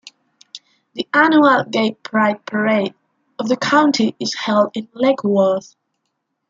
The annual Gay Pride Parade for the county is held in Lake Worth.